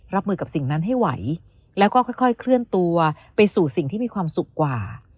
รับมือกับสิ่งนั้นให้ไหวแล้วก็ค่อยเคลื่อนตัวไปสู่สิ่งที่มีความสุขกว่า